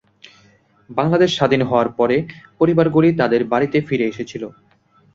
বাংলাদেশ স্বাধীন হওয়ার পরে পরিবারগুলি তাদের বাড়িতে ফিরে এসেছিল।